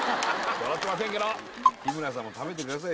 そろってませんけど日村さんも食べてください